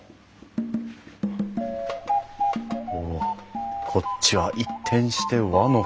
おおこっちは一転して和の空間。